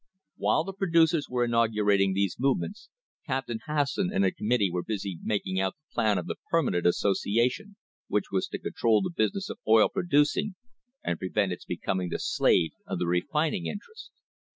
While the producers were inaugurating these movements, Captain Hasson and a committee were busy making out the plan of the permanent association which was to control the business of oil producing and prevent its becoming the slave of the refining interest.